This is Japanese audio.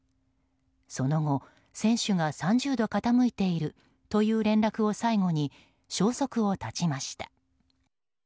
その後、船首が３０度傾いているという連絡を最後に消息を絶ちました。